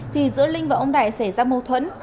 thì giữa linh và ông đại xảy ra mâu thuẫn